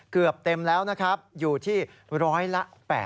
เกือบเต็มแล้วนะครับอยู่ที่ร้อยละ๘